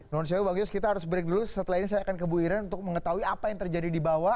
non show bang yos kita harus break dulu setelah ini saya akan ke bu iren untuk mengetahui apa yang terjadi di bawah